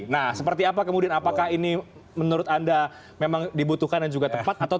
nah seperti apa kemudian apakah ini menurut anda memang dibutuhkan dan juga tepat